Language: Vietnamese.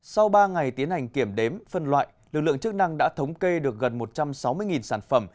sau ba ngày tiến hành kiểm đếm phân loại lực lượng chức năng đã thống kê được gần một trăm sáu mươi sản phẩm